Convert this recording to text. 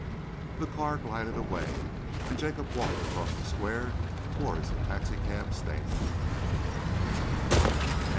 The car glided away, and Jacob walked across the Square towards a taxicab stand.